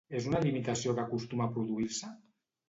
És una limitació que acostuma a produir-se?